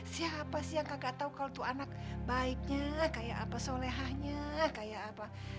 siapa sih yang kagak tahu kalau tuh anak baiknya kayak apa solehahnya kayak apa